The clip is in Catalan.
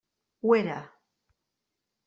Ho era.